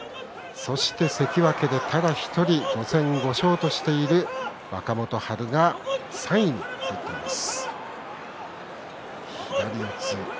そして関脇で、ただ１人５戦５勝としている若元春が３位に入っています。